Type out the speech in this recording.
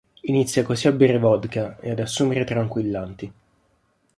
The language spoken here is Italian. Inizia così a bere vodka e ad assumere tranquillanti.